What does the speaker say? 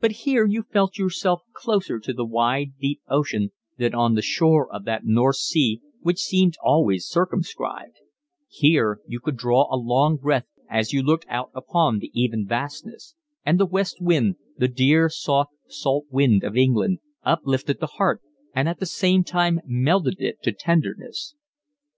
But here you felt yourself closer to the wide, deep ocean than on the shore of that North Sea which seemed always circumscribed; here you could draw a long breath as you looked out upon the even vastness; and the west wind, the dear soft salt wind of England, uplifted the heart and at the same time melted it to tenderness.